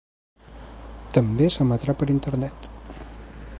També s’emetrà per internet.